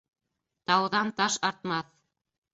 Тауҙан таш артмаҫ